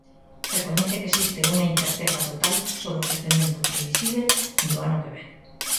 Recoñece que existe unha "incerteza total" sobre o crecemento previsíbel do ano que vén.